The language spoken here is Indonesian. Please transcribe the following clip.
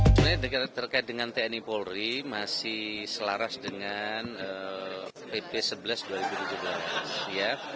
sebenarnya terkait dengan tni polri masih selaras dengan pp sebelas dua ribu tujuh belas